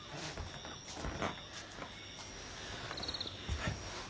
はい。